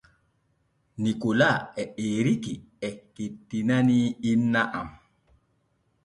Nikola e Eriiki e kettinanii inna am.